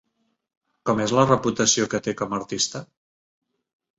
Com és la reputació que té com artista?